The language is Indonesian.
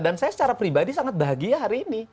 dan saya secara pribadi sangat bahagia hari ini